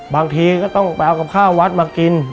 บางทีก็ต้องไปเอากับข้าววัดมากิน